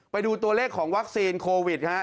ไปดูตัวเลขของวัคซีนโควิดฮะ